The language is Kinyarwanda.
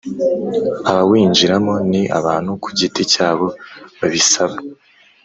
Abawinjiramo ni abantu ku giti cyabo babisaba